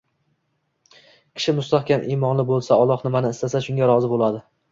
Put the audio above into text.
Kishi mustahkam imonli bo‘lsa, Alloh nimani istasa, shunga rozi bo‘ladi.